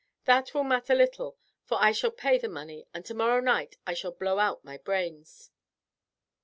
That will matter little, for I shall pay the money, and tomorrow night I shall blow out my brains."